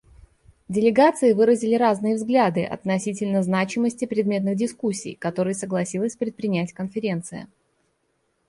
Делегации выразили разные взгляды относительно значимости предметных дискуссий, которые согласилась предпринять Конференция.